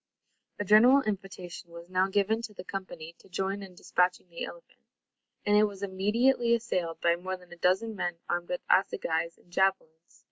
A general invitation was now given to the company to join in despatching the elephant; and it was immediately assailed by more than a dozen men armed with assegais and javelins.